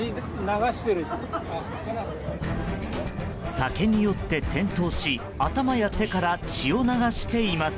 酒に酔って転倒し頭や手から血を流しています。